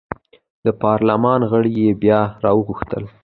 د پارلمان غړي یې بیا راوغوښتل.